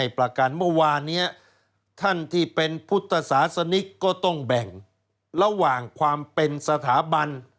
พุทธศาสนิทก็ต้องแบ่งระหว่างความเป็นสถาบัน